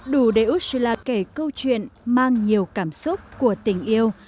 đủ để usila kể câu chuyện mang nhiều cảm xúc của tình yêu